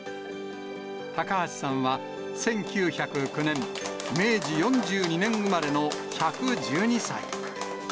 高橋さんは、１９０９年、明治４２年生まれの１１２歳。